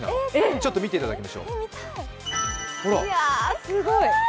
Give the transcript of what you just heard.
ちょっと見ていただきましょう、ほら。